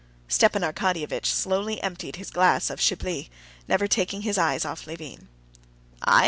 Stepan Arkadyevitch slowly emptied his glass of Chablis, never taking his eyes off Levin. "I?"